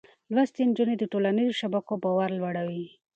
لوستې نجونې د ټولنيزو شبکو باور لوړوي.